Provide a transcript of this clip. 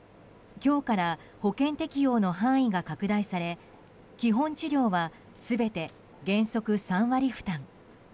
今日から保険適用の範囲が拡大され基本治療は全て原則３割負担。